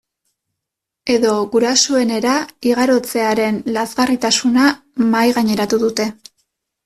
Edo gurasoenera igarotzearen lazgarritasuna mahaigaineratu dute.